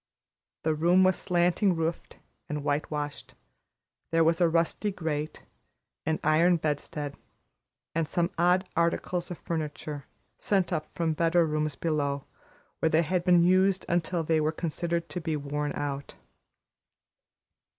The room was slanting roofed and whitewashed; there was a rusty grate, an iron bedstead, and some odd articles of furniture, sent up from better rooms below, where they had been used until they were considered to be worn out.